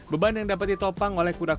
beban yang dapat ditopang oleh kura kura